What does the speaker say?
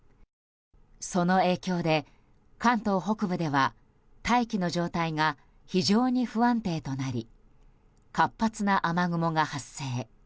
その影響で、関東北部では大気の状態が非常に不安定となり活発な雨雲が発生。